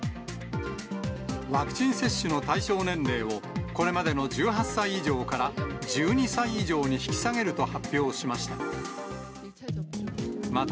ワクチン接種の対象年齢を、これまでの１８歳以上から１２歳以上に引き下げると発表しました。